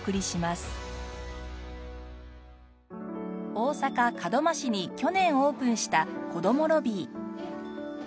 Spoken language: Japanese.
大阪門真市に去年オープンした子どもＬＯＢＢＹ。